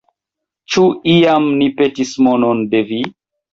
Ĉu iam ni petis monon de vi?